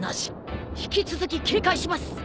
引き続き警戒します。